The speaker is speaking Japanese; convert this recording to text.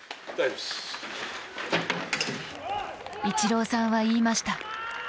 イチローさんは言いました。